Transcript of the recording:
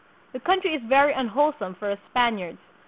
"The coun try is very unwholesome for us Spaniards.